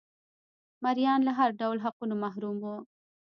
مریان له هر ډول حقونو محروم وو.